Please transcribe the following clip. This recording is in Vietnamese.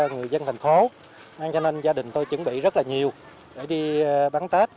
người dân thành phố cho nên gia đình tôi chuẩn bị rất là nhiều để đi bắn tết